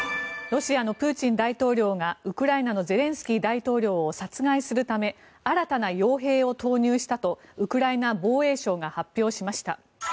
ロシアのプーチン大統領がウクライナのゼレンスキー大統領を殺害するため新たな傭兵を投入したとウクライナ防衛省が発表しました。